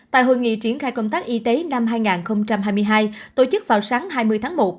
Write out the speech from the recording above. tại hội nghị triển khai công tác y tế năm hai nghìn hai mươi hai tổ chức vào sáng hai mươi tháng một